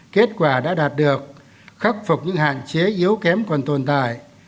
kết quả đã đạt được khắc phục những hạn chế yếu kém còn tồn tại